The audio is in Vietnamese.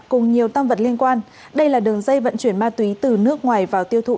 cùng nhiều tâm vật liên quan đây là đường dây vận chuyển ma túy từ nước ngoài vào tiêu thụ